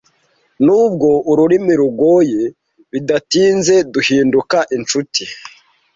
Nubwo ururimi rugoye, bidatinze duhinduka inshuti.